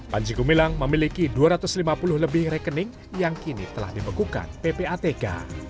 panji gumilang memiliki dua ratus lima puluh lebih rekening yang kini telah dibekukan ppatk